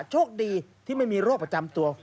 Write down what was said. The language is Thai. โชคดีที่ไม่มีโรคประจำตัว